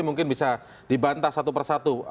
mungkin bisa dibantah satu persatu